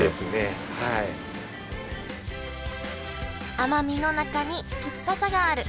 甘みの中に酸っぱさがある。